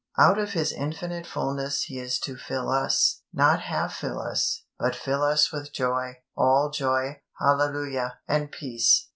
Out of His infinite fullness He is to fill us; not half fill us, but fill us with joy, "all joy," hallelujah! "and peace."